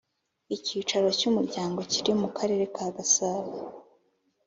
Icyicaro cy Umuryango kiri mu Karere ka Gasabo